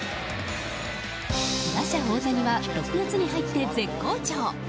打者・大谷は６月に入って絶好調！